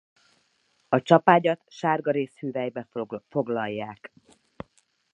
A csapágyat sárgaréz hüvelybe foglalják.